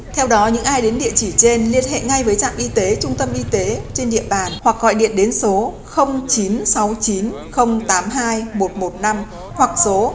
theo đó những ai đến địa chỉ trên liên hệ ngay với trạm y tế trung tâm y tế trên địa bàn hoặc gọi điện đến số chín trăm sáu mươi chín tám mươi hai một trăm một mươi năm hoặc số chín trăm bốn mươi chín ba trăm chín mươi sáu một trăm một mươi năm để được tư vấn hỗ trợ